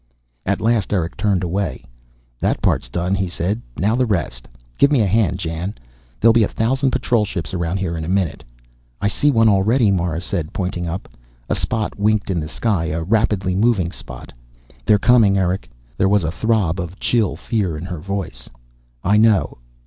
At last Erick turned away. "That part's done," he said. "Now the rest! Give me a hand, Jan. There'll be a thousand patrol ships around here in a minute." "I see one already," Mara said, pointing up. A spot winked in the sky, a rapidly moving spot. "They're coming, Erick." There was a throb of chill fear in her voice. "I know."